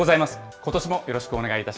ことしもよろしくお願いいたし